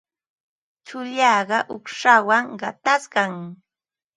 Tsullaaqa uuqshawan qatashqam.